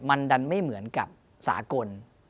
มันดันไม่เหมือนกับสากล